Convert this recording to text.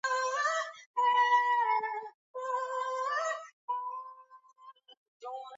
furusa ya kwake edwin david ndeketela